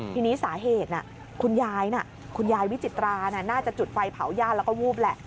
ทีนี้สาเหตุคุณยายวิจิตราน่าจะจุดไฟเผาย่านแล้วก็วูบแหละ